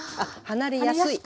離れやすく。